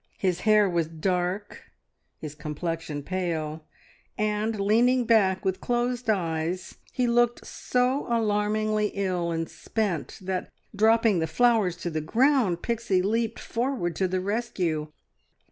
His hair was dark, his complexion pale, and leaning back with closed eyes he looked so alarmingly ill and spent, that, dropping the flowers to the ground, Pixie leaped forward to the rescue.